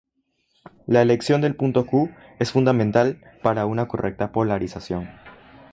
La elección del punto Q, es fundamental para una correcta polarización.